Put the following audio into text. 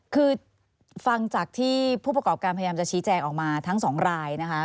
คือฟังจากที่ผู้ประกอบการพยายามจะชี้แจงออกมาทั้งสองรายนะคะ